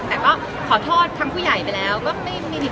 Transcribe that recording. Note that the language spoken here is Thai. แต่ก็ขอโทษทั้งผู้ใหญ่ไปแล้วก็ไม่มีอะไรค่ะ